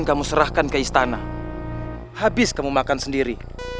kamu serahkan ke istana habis kamu makan sendiri